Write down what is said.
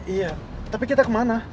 iya tapi kita kemana